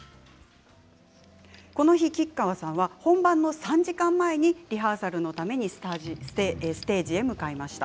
この日、吉川さんは本番３時間前にリハーサルのためステージへ向かいました。